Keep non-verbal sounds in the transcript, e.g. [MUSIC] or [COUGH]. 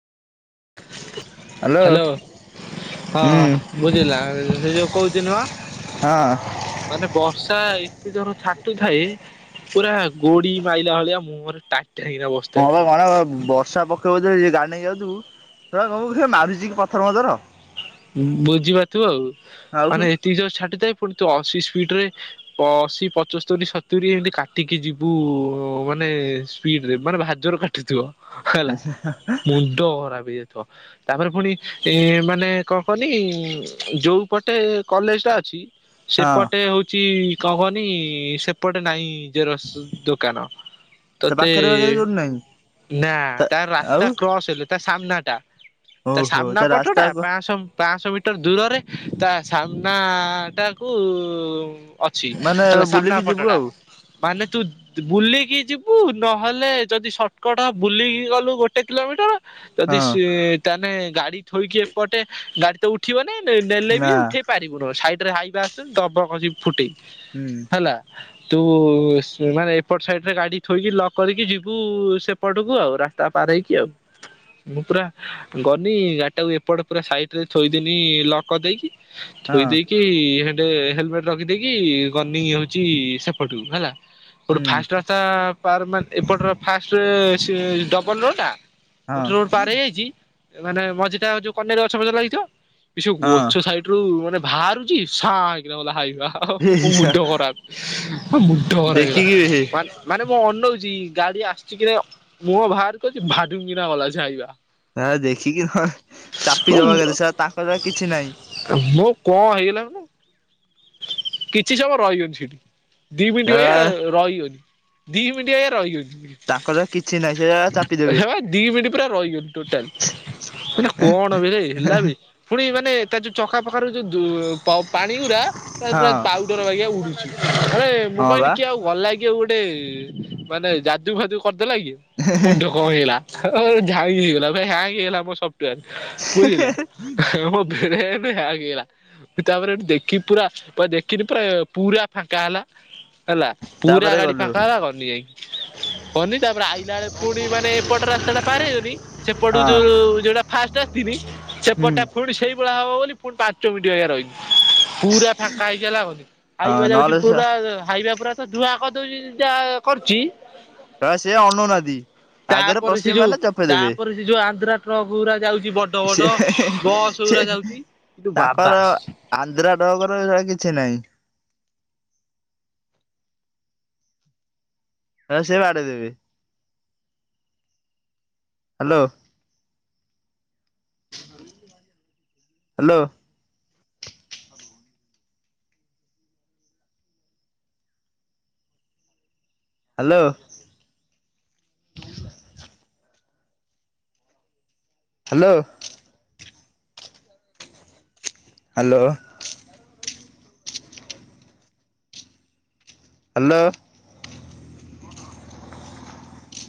Hello hello. ହଁ ବୁଝିଲ ଆଉ ସେ ଯୋଉ କହୁଚି ନୁହଁ ହଁ ମାନେ ବର୍ଷା ଏତେ ଜୋର ଛାଟୁଥାଏ ପୁରା ଗୋଡ଼ି ମାଇଲା ଭଳିଆ ମୁହରେ ଟାଟାଏ କିନା ବ ହଁ ମ କଣ ବର୍ଷା ପ କେଇବ ଯଦି ଗାଡ଼ି ନେଇକି ଯାଉଥୁବୁ ତ କହିବୁ କିଥେ ମାରୁଚି କି ପଥର ମଥର। ଉଁ ବୁଝି ପାରୁଥୁବୁ ଆଉ ଆଉ ମାନେ ହଁ ଏତିକି ଜୋର ଛାଟୁଥାଏ ଫୁଣି ତୁ ଅଶୀ ସ୍ପିଡରେ ପ ଅଶି ପଚୋସ୍ତରୀ ସତୁରୀ ଏମତି କାଟିକି ଯିବୁ ମାନେ ସ୍ପିଡରେ ମାନେ ଭାରି ଜୋର କା ଟୁଥୁବ ହେଲା ମୁଣ୍ଡ ଖରାପ ହେଇଯାଉଥୁବ ତାପରେ ଫୁଣି ଏଁ ମାନେ କଁ କନି ଯୋଉ ପଟେ କଲେଜଟା ଅଛି ସେପଟେ ହଉ ଚି କହନି ସେପଟେ ନାହିଁ ଜେରକ୍ସ ଦୋକାନ ତୋ ତତେ ପାଖରେ ପାଖରେ କୋଉଠି ନାହିଁ। ନାଁ ତା ରାସ୍ତା କ୍ରସ ହେଲେ ତା ସାମ୍ନାଟା ତା ଓହୋ ସାମନା ରାସ୍ତା ପଟଟା ସମ୍ ପାଁଶ ମିଟର ଦୂରରେ ତା ସାମ୍ନାଟାକୁ ଅଛି ମାନେ ସାମ୍ନା ବୁଲିକି ଯିବୁ ପଟଟା ଆଉ। ମାନେ ତୁ ତୁ ବୁଲିକି ଯିବୁ ନହେଲେ ଯଦି ସଟକଟ୍ ବୁଲିକି ଗଲୁ ଗୋଟେ କିଲୋମିଟର। ଯଦି ହଁ ସିଏ ତାନେ ଗାଡ଼ି ଥୋଇକି ଏ ପଟେ ଗାଡ଼ି ତ ଉଠିବନେଇ। ଏ ନେଲେ ବି ନା ଉଠେଇ ପାରିବୁନଉ ସାଇଡରେ ହାଇବା ଆସୁଚନ୍ତି ଦବ ଖସି ଫୁଟେଇ। ହୁଁ। ହେଲା ତୁ ସ୍ ମାନେ ଏପଟ ସାଇଡରେ ଗାଡ଼ି ଥୋଇକି ଲକ୍ କରିକି ଯିବୁ ସେ ପଟୁକୁ ଆଉ ରାସ୍ତା ପାର ହେଇକି ଆଉ ମୁଁ ପୁରା ଗନି ଗାଡିଟାକୁ ଏପଟ ପୁରା ସାଇଟରେ ଥୋଇଦେନି ଲକ୍ କରିଦେଇକି ହଁ ଥୋଇ ଦେଇକି ଇ ହେଟେ ହେଲମେଟ ରଖିଦେଇକି ଗନି ହଉଚି ସେପଟକୁ ହେଲା। ଓଟେ ହୁଁ ଫାଷ୍ଟ ରାସ୍ତା ପାର ମା ଏପଟର ଫାଷ୍ଟରେ ସିଏ ଡବଲ ରୋଡ୍‌ଟା। ହଁ ଗୋଟେ ରୋଡ ପାର ହେଇଯାଇଛି ମାନେ ମଝିଟା ଯୋଉ କନ୍ୟାର ଗଛ ଗଛ ଲାଗିଥିବ କି ହଁ ଗଛ ସାଇଡ୍ ମାନେ ବାହାରୁଛି ସାଇଁ କିନା। [UNINTELLIGIBLE] ମ ହେ ଶା ମୁଣ୍ଡ ଖରାପ ମୁଣ୍ଡ ଖରାପ ଦେଖିକି ହେ ହେଇଗଲା। ମାନେ ମୁଁ ଅନଉଛି ଗାଡି ଆସିଛି କିନାଇ ମୁଁ ବାହାର କରୁଛି ଭାଡୁଙ୍ଗିନା ଗଲା ସେ ହାଇବା। ନା ଦେଖିକି ନହେଲେ ଚାପି ଦବ କେ ଦେ ସେଟ ତାଙ୍କର କିଛି ନାହିଁ। ମୁଁ କଣ ହେଇଗଲା। କିଛି ସମୟ ରହିବନି ଦି ମିନିଟ୍ ଶଳା ଭଳିଆ ରହିଗଲି। ଦିଇ ମିିନଟ୍ ଆ ରହିଗଲି। ତାଙ୍କର କିଛି ନାହିଁ ସେ ଶଳା ଚାପିଦେବେ ହେ ଦି ମିିନଟ୍ ପୁରା ରହିଗଲି ଟୋଟାଲ। ହେ କଣ ବେ ହେଲା ବେ। ପୁଣି ମାନେ ତା ଯୋଉ ଚକା ପଖା ର ଯୋଉ ପାଣି ଗୁରା। ତାପ ହଁ ପାଉଡର ହେଇକି ଉଡୁଛି ଆରେ ମୁଁ ହଁ କହିଲି ବା କି ଆଉ ଗଲା କି ଆଉ ଗୋଟେ ମାନେ ଯାଦୁ ଫାଜୁ କରିଦେଲା କି ମୁଣ୍ଡ କଣ ହେଇଲା। ହ ଝାଇ ହେଇଗଲା ଭାଇ ହାଙ୍ଗ ହେଇଗଲା ମୋ ବୁଝିଲୁ ଗଲା ତାପରେ ଠୁ ଦେଖି ପୁରା। ପ ଦେଖିନି ପୁରା ପୁରା ଫାଙ୍କା ହେଲା ହେଲା। ପୁରା ତାପରେ ଗାଡି ଗଲୁ ଫାଙ୍କାହେଲା ଗଲି ଯାଇ। ହନି ତାପରେ ଆଇଲା ବେଳେ ପୁଣି ମାନେ ଏପଟ ରାସ୍ତା ଟା ପାର ହେଇ ଗନି। ସେପଟ ହଁ। ଯୋଉ ଯୋଉଟା ଫାଷ୍ଟ ଆସିନି ହୁଁ। ସେପଟଟା ପୁଣି ସେଇ ଭ ହବ ବୋଲି ପୁଣି ପାଞ୍ଚ ମିନିଟ୍ ରହିଲି। ପୁରା ଫାଙ୍କା ହେଇଗଲା ହଁ ହାଇବା ଯାଉଛି ନହେଲେ ପୁରା ଶଳା ହାଇବା ପୁରା ତ ଧୂଆଁ କରିଦଉଛି ଯା କରୁଛି। ହ ସେ ଅନଉ ନାହାଁନ୍ତି। ତାପରେ ସେ ଯୋଉ ତାପରେ ସେ ଯୋଉ ଆନ୍ଧ୍ରା ଟ୍ରକ ଗୁରା ଯାଉଛି ବଡ ସେ ବଡ ବସ୍ ସେ ଗୁରା ଯାଉଛି। କିନ୍ତୁ ତାଙ୍କର ବାବା ଆସିଛି। ଆନ୍ଧ୍ରା ଡଗର ଏଇା କିଛି ନାହିଁ। ହଁ ସେ ବାଡେଇ ଦେବେ। Hello. Hello. Hello hello hello hello